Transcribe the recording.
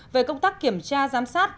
về công tác kiểm tra giám sát